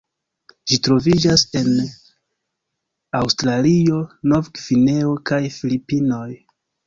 Ĝi troviĝas en Aŭstralio, Nov-Gvineo kaj Filipinoj.